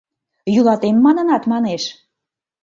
Йӱлатем манынат, манеш!